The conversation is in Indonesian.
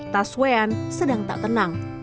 taswean sedang tak tenang